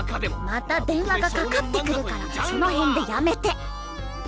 また電話がかかって来るからその辺でやめて。